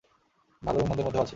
ভালো এবং মন্দের মধ্যেও আছি।